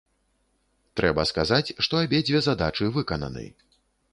Трэба сказаць, што абедзве задачы выкананы.